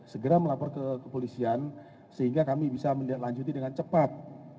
segera melapor ke polisian sehingga kami bisa melanjutkan dengan cepat